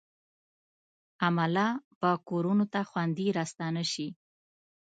عمله به کورونو ته خوندي راستانه شي.